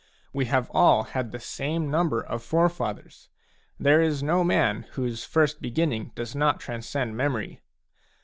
We have all had the same number of forefathers; there is no man whose first beginning does not transcend memory.